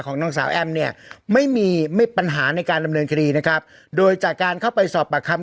นางสาวแอมเนี่ยไม่มีไม่ปัญหาในการดำเนินคดีนะครับโดยจากการเข้าไปสอบปากคำ